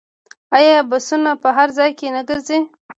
آیا بسونه په هر ځای کې نه ګرځي؟